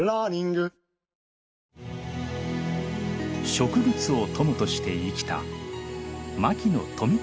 植物を友として生きた牧野富太郎博士。